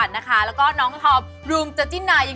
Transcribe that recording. มาค่ะมามาเล่นมาแข็งดีมาแล้วมีรับรับรับ